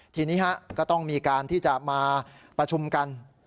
ทีนี้ก็ต้องมีการที่จะมาประชุมกัน